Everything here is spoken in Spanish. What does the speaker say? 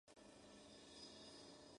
Presidente de la República.